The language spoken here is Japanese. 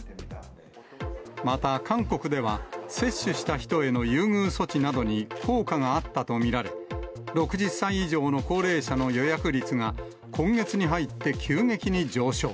また韓国では、接種した人への優遇措置などに効果があったと見られ、６０歳以上の高齢者の予約率が、今月に入って急激に上昇。